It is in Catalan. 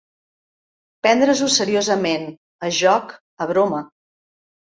Prendre-s'ho seriosament, a joc, a broma.